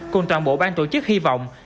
cùng toàn bộ ban tổ chức hy vọng